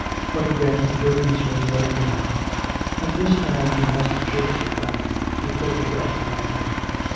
But again the business was running down, and this time he must jerk it back before it got beyond him.